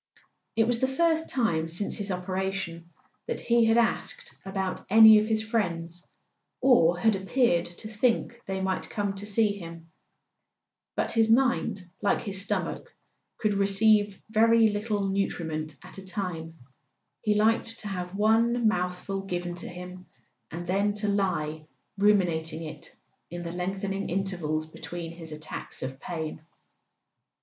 It was the first time since his operation that he had asked about any of his friends, or had appeared to think they might come to see him. But his mind, like his stomach, could receive very little nutriment at a time; he liked to have one mouthful given to him, and then to lie ruminating it in the lengthening intervals between his attacks of pain.